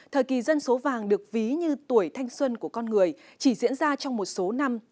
thời kỳ dân số vàng được ví như tuổi thanh xuân của con người chỉ diễn ra trong một số năm